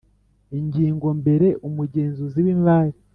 Ingingo mbere Umugenzuzi w imari